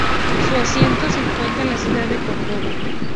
Su asiento se encuentra en la ciudad de Córdoba.